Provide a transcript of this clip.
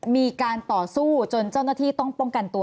มีการต่อสู้จนเจ้าหน้าที่ต้องป้องกันตัว